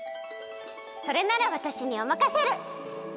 それならわたしにおまかシェル！